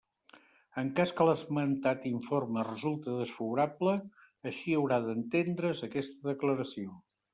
En cas que l'esmentat informe resulte desfavorable, així haurà d'entendre's aquesta declaració.